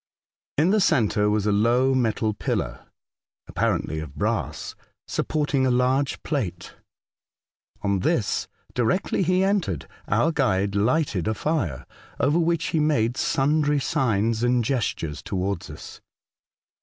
In the centre was a low metal pillar (apparently of brass) supporting a large plate. On this, directly he entered, our guide lighted a fire, over which he made sundry signs and gestures towards us.